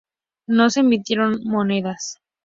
No se emitieron monedas.